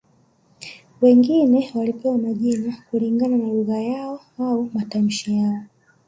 Wengine walipewa majina kulingana na lugha yao au matamshi yao